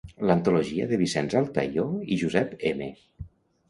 L'antologia de Vicenç Altaió i Josep M.